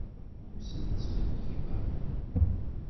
Ur ten-ttxeyyibeɣ.